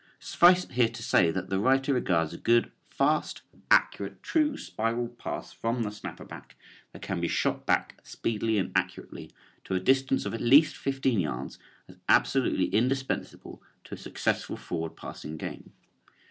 Suffice it here to say that the writer regards a good fast, accurate, true spiral pass from the snapper back, that can be shot back speedily and accurately to a distance of at least fifteen yards, as absolutely indispensable to a successful forward passing game.